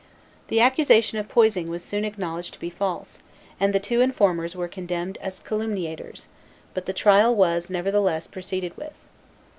The accusation of poisoning was soon acknowledged to be false, and the two informers were condemned as calumniators; but the trial was, nevertheless, proceeded with.